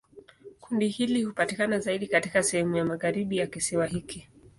Kundi hili hupatikana zaidi katika sehemu ya magharibi ya kisiwa hiki.